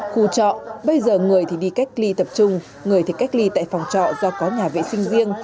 khu trọ bây giờ người thì đi cách ly tập trung người thì cách ly tại phòng trọ do có nhà vệ sinh riêng